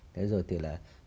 thế rồi thì là